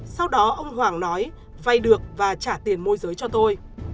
sau đó ông hoàng nói vay được và trả tiền môi giới cho tôi